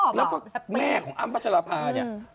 ชอบอะแล้วก็แม่ของอัมพัชรภาเนี่ย